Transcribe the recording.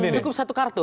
cukup satu kartu